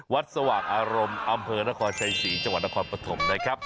สว่างอารมณ์อำเภอนครชัยศรีจังหวัดนครปฐมนะครับ